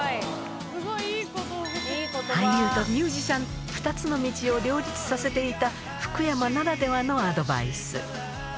俳優とミュージシャン、２つの道を両立させていた福山ならではのアドバイス。